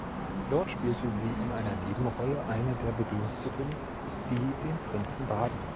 Dort spielte sie in einer Nebenrolle eine der Bediensteten, die den Prinzen baden.